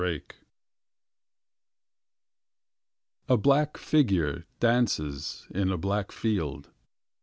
pdf A black figure dances in a black field.